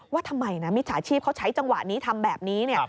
ว่าทำไมนะมิจฉาชีพเขาใช้จังหวะนี้ทำแบบนี้เนี่ย